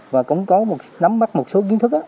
và cũng có nắm mắt một số kiến thức